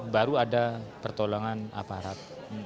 baru ada pertolongan aparat